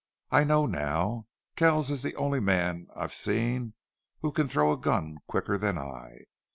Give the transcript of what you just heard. I know now. Kells is the only man I've seen who can throw a gun quicker than I.